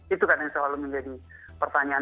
itu kan yang selalu menjadi pertanyaan